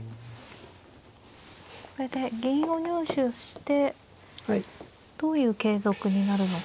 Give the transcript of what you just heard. これで銀を入手してどういう継続になるのか。